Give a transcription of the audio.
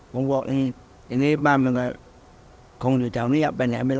ผมบอกอย่างนี้บ้านมันก็คงอยู่แถวนี้ไปไหนไม่รู้